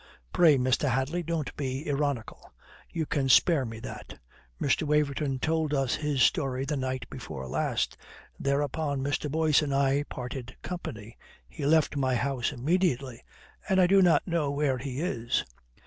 "Pray, Mr. Hadley, don't be ironical. You can spare me that. Mr. Waverton told us his story the night before last. Thereupon Mr. Boyce and I parted company. He left my house immediately and I do not know where he is."